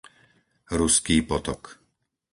Ruský Potok